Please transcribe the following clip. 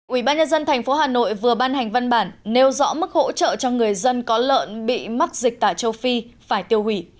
ủy ban nhân dân tp hà nội vừa ban hành văn bản nêu rõ mức hỗ trợ cho người dân có lợn bị mắc dịch tả châu phi phải tiêu hủy